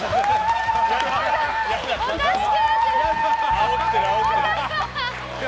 あおってる！